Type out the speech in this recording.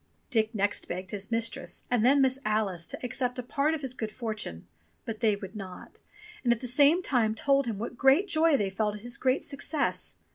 Dick next begged his mistress, and then Miss Alice, to accept a part of his good fortune, but they would not, and at the same time told him what great joy they felt at his great success.